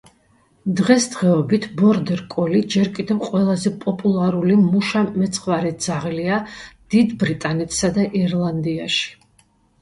დღესდღეობით ბორდერ კოლი ჯერ კიდევ ყველაზე პოპულარული მუშა მეცხვარე ძაღლია დიდ ბრიტანეთსა და ირლანდიაში.